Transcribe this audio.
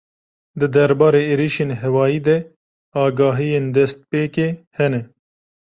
Di derbarê êrîşên hewayî de agahiyên destpêkê hene.